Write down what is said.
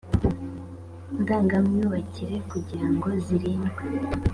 ndangamyubakire kugira ngo zirindwe